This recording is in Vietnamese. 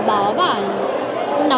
búp sen vàng thì nó